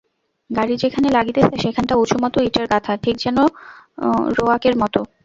গাড়ি যেখানে লাগিতেছে সেখানটা উঁচুমতো ইটের গাথা, ঠিক যেন রোয়াকের মতো।